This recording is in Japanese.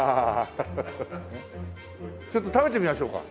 ちょっと食べてみましょうか。